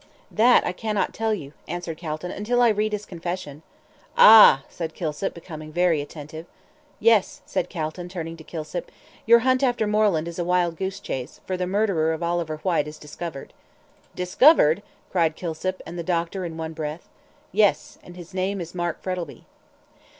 "That I cannot tell you," answered Calton, "until I read his confession." "Ah!" said Kilsip, becoming very attentive. "Yes," said Calton, turning to Kilsip, "your hunt after Moreland is a wild goose chase, for the murderer of Oliver Whyte is discovered." "Discovered!" cried Kilsip and the doctor in one breath. "Yes, and his name is Mark Frettlby."